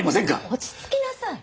落ち着きなさい！